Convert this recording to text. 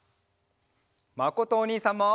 まことおにいさんも！